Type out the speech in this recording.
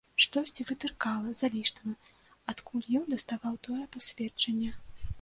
Штосьці вытыркала з-за ліштвы, адкуль ён даставаў тое пасведчанне.